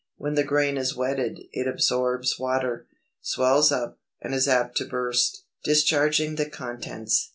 When the grain is wetted it absorbs water, swells up, and is apt to burst, discharging the contents.